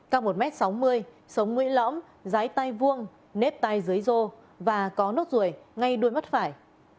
cao một m sáu mươi sống mũi lõm dưới tay vuông nếp tay dưới rô và có nốt ruồi ngay đuôi mắt phải